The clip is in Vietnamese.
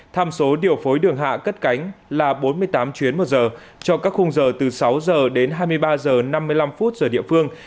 tham số điều phối đường hạ cất cánh là bốn mươi tám chuyến một giờ cho các khung giờ từ sáu h đến hai mươi ba h năm mươi năm giờ địa phương